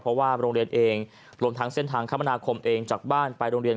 เพราะว่าโรงเรียนเองรวมทั้งเส้นทางคมนาคมเองจากบ้านไปโรงเรียน